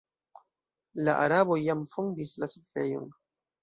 La araboj jam fondis la setlejon.